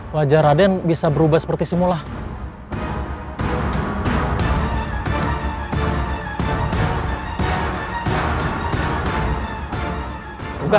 wajah raden bisa berubah seperti semula